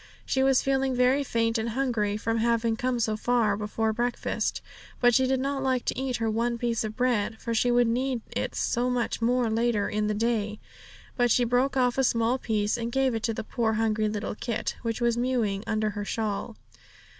She was feeling very faint and hungry, from having come so far before breakfast; but she did not like to eat her one piece of bread, for she would need it so much more later in the day. But she broke off a small piece and gave it to the poor hungry little kit, which was mewing under her shawl.